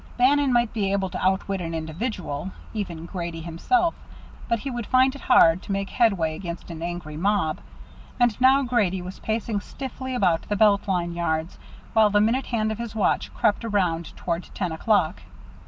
Bannon might be able to outwit an individual, even Grady himself, but he would find it hard to make headway against an angry mob. And now Grady was pacing stiffly about the Belt Line yards, while the minute hand of his watch crept around toward ten o'clock.